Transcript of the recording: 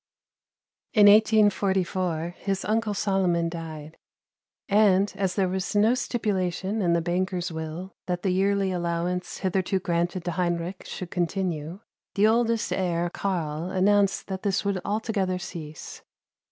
In 1844 his uncle Solomon died; and, as there was no stipulation in the banker's will that the yearly allowance hitherto granted to Heinrich should continue, the oldest heir Karl announced that this would altogether cease.